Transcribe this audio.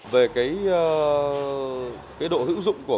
về độ hữu dụng của